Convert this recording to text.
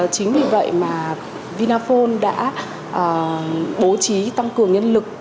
chính vì vậy mà vinaphone đã bố trí tăng cường nhân lực